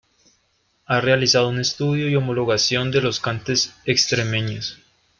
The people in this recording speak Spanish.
Ha realizado un estudio y homologación de los Cantes Extremeños.